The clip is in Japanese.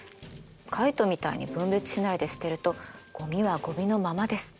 カイトみたいに分別しないで捨てるとごみはごみのままです。